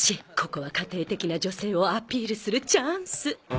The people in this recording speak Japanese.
ここは家庭的な女性をアピールするチャンス